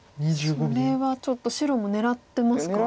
それはちょっと白も狙ってますか？